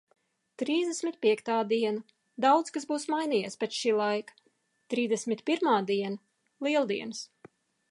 Trīsdesmit piektā diena. Daudz kas būs mainījies pēc šī laika. Trīsdesmit pirmā diena. Lieldienas.